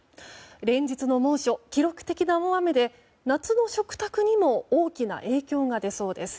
連日の猛暑、記録的な大雨で夏の食卓にも大きな影響が出そうです。